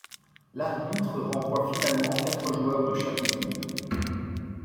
L'arbitre renvoie finalement quatre joueurs de chaque équipe.